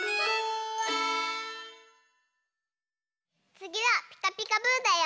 つぎは「ピカピカブ！」だよ！